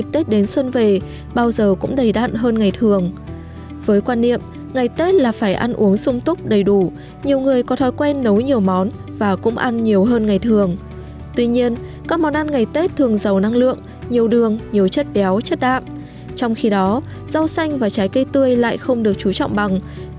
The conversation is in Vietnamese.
tết là dịp để xâm hợp quay quần bên gia đình người thân